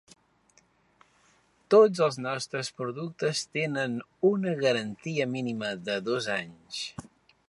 Tots els nostres productes tenen una garantia mínima de dos anys.